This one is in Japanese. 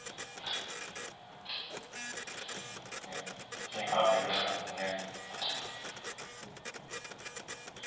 と金払ってくれないですもんね。